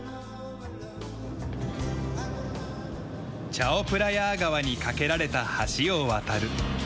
チャオプラヤー川に架けられた橋を渡る。